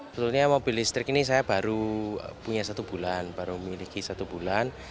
sebetulnya mobil listrik ini saya baru punya satu bulan baru memiliki satu bulan